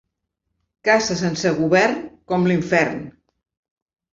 Casa sense govern, com l'infern.